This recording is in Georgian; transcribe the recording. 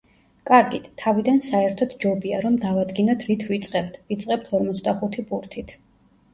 კარგით, თავიდან საერთოდ ჯობია, რომ დავადგინოთ რით ვიწყებთ, ვიწყებთ ორმოცდახუთი ბურთით.